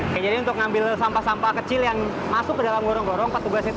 hai jadi untuk ngambil sampah sampah kecil yang masuk ke dalam gorong gorong katubuasa itu